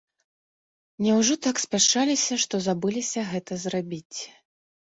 Няўжо так спяшаліся, што забыліся гэта зрабіць.